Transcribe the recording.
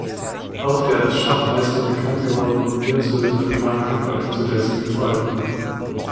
Auch der als Schachmeister bekannt gewordene Mir Sultan Khan gehörte zu dessen Gefolge.